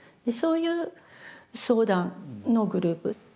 そういう相談のグループ。